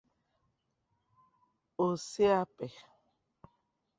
ose akpị